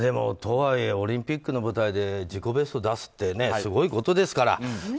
とはいえオリンピックの舞台で自己ベストを出すってすごいことですから。